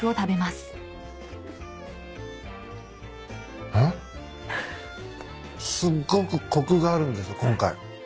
すっごくコクがあるんです今回。